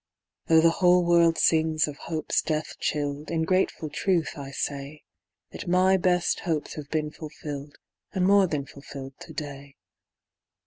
Though the whole world sings of hopes death chilled, In grateful truth I say, That my best hopes have been fulfilled, And more than fulfilled to day.